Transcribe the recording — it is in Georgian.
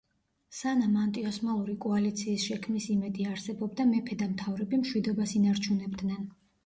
სანამ ანტიოსმალური კოალიციის შექმნის იმედი არსებობდა მეფე და მთავრები მშვიდობას ინარჩუნებდნენ.